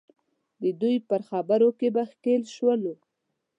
د دوی پر خبرو کې به ښکېل شولو.